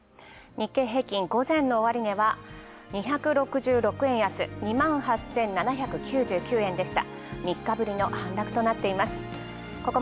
日経平均、午前の終値は、２６６円安、２万８７９９円でした。